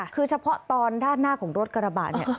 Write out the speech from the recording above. คือเฉพาะตอนด้านหน้าของรถกระบะเนี่ย